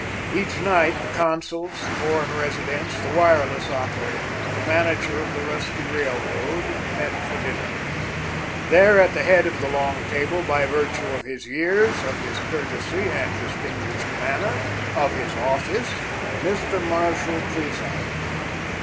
Each night the consuls, the foreign residents, the wireless operator, the manager of the rusty railroad met for dinner. There at the head of the long table, by virtue of his years, of his courtesy and distinguished manner, of his office, Mr. Marshall presided.